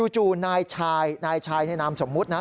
นายชายนายชายในนามสมมุตินะ